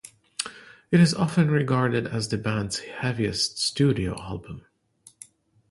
It is often regarded as the band's heaviest studio album.